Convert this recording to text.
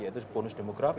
yaitu bonus demografi